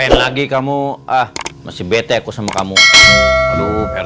mau ada kemana lo